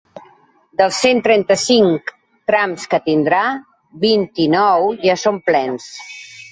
Dels cent trenta-cinc trams que tindrà, vint-i-nou ja són plens.